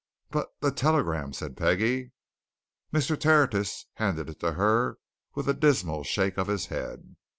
"But the telegram?" said Peggie. Mr. Tertius handed it to her with a dismal shake of his head.